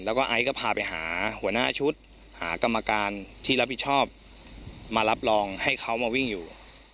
แล้วก็ไอซ์ก็พาไปหาหัวหน้าชุดหากรรมการที่รับผิดชอบมารับรองให้เขามาวิ่งอยู่